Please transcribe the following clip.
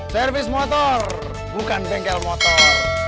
servis motor bukan bengkel motor